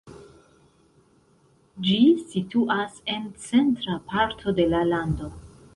Ĝi situas en centra parto de la lando.